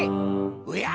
おや！